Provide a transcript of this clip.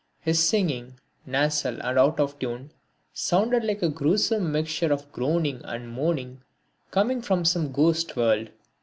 His singing, nasal and out of tune, sounded like a gruesome mixture of groaning and moaning coming from some ghost world.